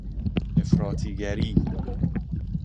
افراطی گری